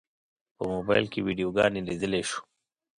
په موبایل کې ویډیوګانې لیدلی شو.